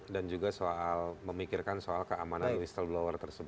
dan juga soal memikirkan soal keamanan whistleblower tersebut